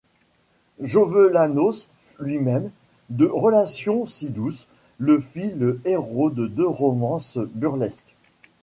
Jovellanos lui-même, de relations si douces, le fit le héros de deux romances burlesques.